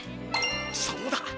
そうだ！